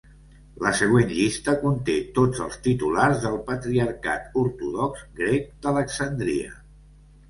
La següent llista conté tots els titulars del Patriarcat Ortodox Grec d'Alexandria.